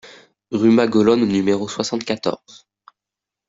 Rue Maguelone au numéro soixante-quatorze